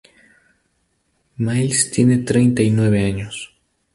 Miles tiene treinta y nueve años.